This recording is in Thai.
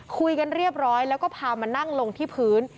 คุยกันเรียบร้อยแล้วก็พามานั่งลงที่พื้น